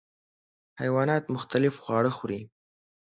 حیوانات مختلف خواړه خوري.